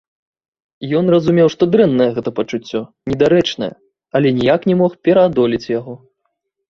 Ён разумеў, што дрэннае гэта пачуццё, недарэчнае, але ніяк не мог пераадолець яго.